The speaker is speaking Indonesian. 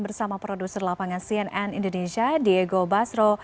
bersama produser lapangan cnn indonesia diego basro